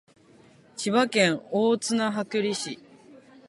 千葉県大網白里市